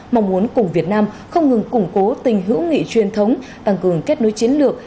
mong muốn cùng việt nam không ngừng củng cố tình hữu nghị truyền thống tăng cường kết nối chiến lược